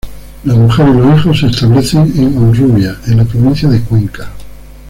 La mujer y los hijos se establecen en Honrubia, en la provincia de Cuenca.